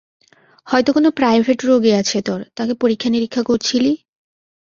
হয়তো কোন প্রাইভেট রুগী আছে তোর, তাকে পরীক্ষা-নিরীক্ষা করছিলি।